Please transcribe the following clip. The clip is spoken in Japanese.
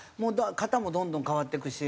型もどんどん変わっていくし。